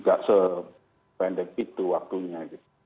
nggak se bendek gitu waktunya